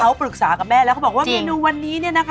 เค้าปรึกษากับแม่แล้วก็บอกว่าเมนูวันนี้เนี่ยนะคะ